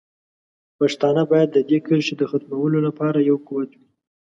پښتانه باید د دې کرښې د ختمولو لپاره یو قوت وي.